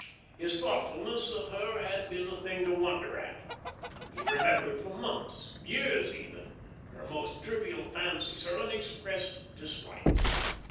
His thoughtfulness of her had been a thing to wonder at. He remembered for months, years even, her most trivial fancies, her unexpressed dislikes.